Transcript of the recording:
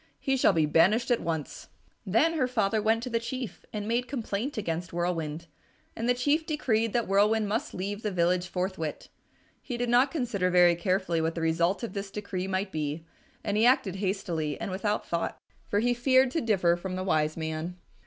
He shall be banished at once." Then her father went to the Chief and made complaint against Whirlwind, and the Chief decreed that Whirlwind must leave the village forthwith. He did not consider very carefully what the result of this decree might be, and he acted hastily and without thought, for he feared to differ from the wise man.